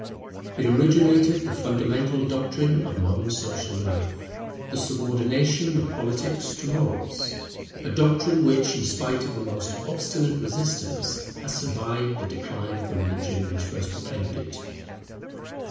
It originated the fundamental doctrine of modern social life, the subordination of Politics to Morals; a doctrine which in spite of the most obstinate resistance has survived the decline of the religion which first proclaimed it.